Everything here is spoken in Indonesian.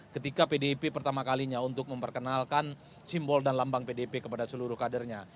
ketika pdip pertama kalinya untuk memperkenalkan simbol dan lambang pdip kepada seluruh kadernya